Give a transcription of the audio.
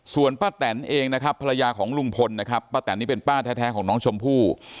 ส่วนป้าแตนเองนะครับภรรยาของลุงพลนะครับป้าแตนนี่เป็นป้าแท้ของน้องชมพู่